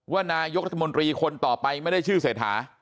ว่านายกรัฐมนตรีคนต่อไปไม่ได้ชื่อเศรษฐา